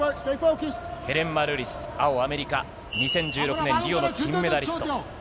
ヘレン・マルーリス、青、アメリカ、２０１６年リオの金メダリスト。